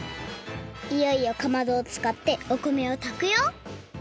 いよいよかまどをつかってお米をたくよ！